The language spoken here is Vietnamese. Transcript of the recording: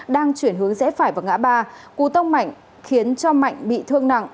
đang chuyển hướng rẽ phải vào ngã ba cú tông mạnh khiến cho mạnh bị thương nặng